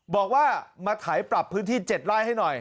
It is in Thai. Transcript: บอกว่ามาไถปรับพื้นที่๗ไร่ให้หน่อย